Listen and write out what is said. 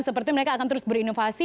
seperti mereka akan terus berinovasi